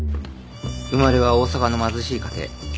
生まれは大阪の貧しい家庭。